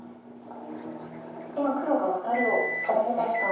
今黒がワタリを防ぎました。